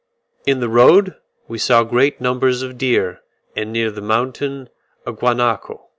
In the road we saw great numbers of deer, and near the mountain a guanaco.